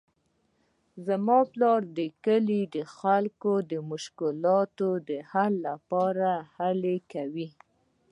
زما پلار د کلي د خلکو د مشکلاتو د حل لپاره هلې کوي